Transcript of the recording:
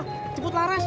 cepet jemput laras ayo